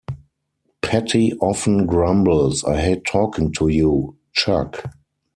Patty often grumbles, I hate talking to you, Chuck!